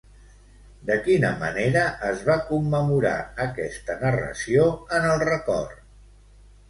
De quina manera es va commemorar aquesta narració en el record?